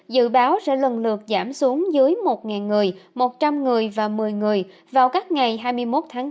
dự báo sẽ lần lượt giảm xuống dưới một người một trăm linh người và một mươi người vào các ngày hai mươi một tháng bốn